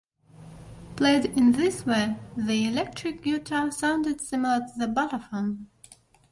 Played in this way, the electric guitar sounded similar to the balafon.